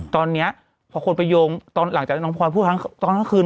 ตอนนี้พอคนไปโยงหลังจากน้องพลอยพูดตอนทั้งคืน